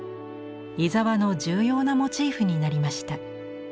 井澤の重要なモチーフになりました。